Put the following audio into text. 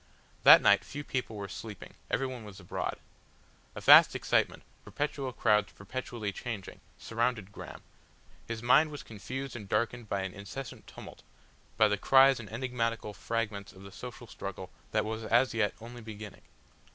That night few people were sleeping, everyone was abroad. A vast excitement, perpetual crowds perpetually changing, surrounded Graham; his mind was confused and darkened by an incessant tumult, by the cries and enigmatical fragments of the social struggle that was as yet only beginning.